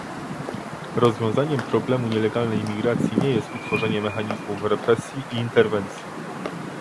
Rozwiązaniem problemu nielegalnej imigracji nie jest utworzenie mechanizmów represji i interwencji